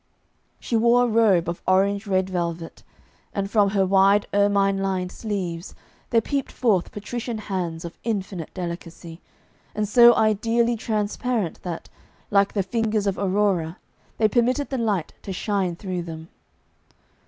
She wore a robe of orange red velvet, and from her wide ermine lined sleeves there peeped forth patrician hands of infinite delicacy, and so ideally transparent that, like the fingers of Aurora, they permitted the light to shine through them.